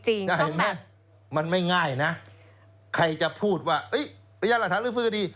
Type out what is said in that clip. เห็นไหมมันไม่ง่ายนะใครจะพูดว่าพยานหลักฐานลื้อฟื้นคดี